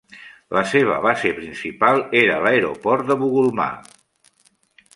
La seva base principal era l'aeroport de Bugulmà.